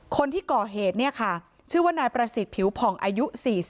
คนที่ก่อเหตุเนี่ยค่ะชื่อว่านายประสิทธิ์ผิวผ่องอายุ๔๐